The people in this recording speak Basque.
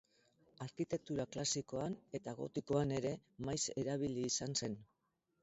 Arkitektura klasikoan, eta gotikoan ere, maiz erabili izan zen.